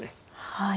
はい。